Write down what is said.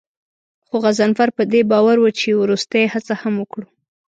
خو غضنفر په دې باور و چې وروستۍ هڅه هم وکړو.